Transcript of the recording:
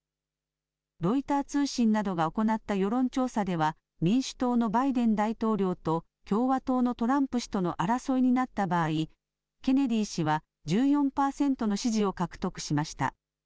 ロイター通信などが行った世論調査では、民主党のバイデン大統領と、共和党のトランプ氏との争いになった場合、ケネディ氏は１４％の支持を獲得しました。